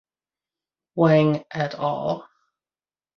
Wang "et al".